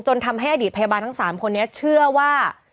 ทำให้อดีตพยาบาลทั้ง๓คนนี้เชื่อว่า